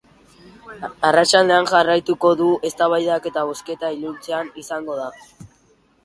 Arratsaldean jarraituko du eztabaidak eta bozketa iluntzean izango da.